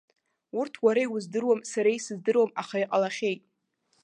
Урҭ уара иуздыруам, сара исыздыруам, аха иҟалахьеит.